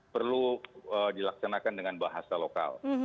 perlu dilaksanakan dengan bahasa lokal